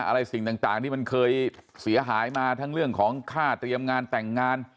สิ่งต่างที่มันเคยเสียหายมาทั้งเรื่องของค่าเตรียมงานแต่งงาน